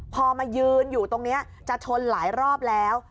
พอมายืนอยู่ตรงนี้จะชนหลายรอบแล้ว